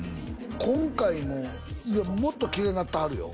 今回ももっときれいになってはるよ